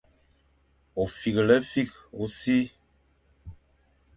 Ôfîghefîkh ô sir.